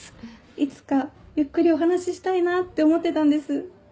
いつかゆっくりお話ししたいなって思ってたんです。